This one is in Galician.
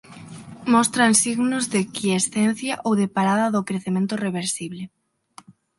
Mostran signos de quiescencia ou de parada do crecemento reversible.